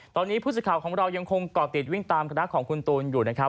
ตอนนี้ผู้สื่อข่าวของเรายังคงเกาะติดวิ่งตามคณะของคุณตูนอยู่นะครับ